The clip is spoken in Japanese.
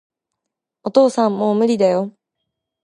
お父さん、もう無理だよ